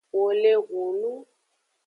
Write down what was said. Wole hunun.